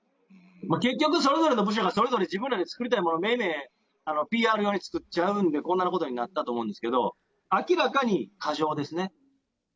結局、それぞれの部署がそれぞれ自分らで作りたいもの、めいめい、ＰＲ用に作っちゃうので、こんなことになったと思うんですけど、明らかに過剰ですね。